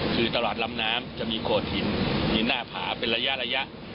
คือตลาดลำน้ำจะมีโขดหินหินหน้าผาเป็นระยะ